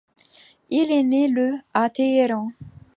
Il est né le à Téhéran.